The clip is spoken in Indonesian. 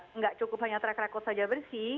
tidak cukup hanya track record saja bersih